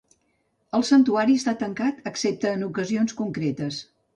El santuari està tancat excepte en ocasions concretes.